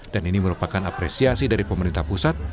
ini merupakan apresiasi dari pemerintah pusat